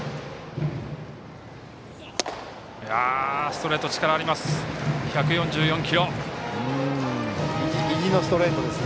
ストレートに力があります。